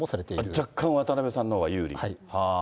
若干、渡辺さんのほうが有利？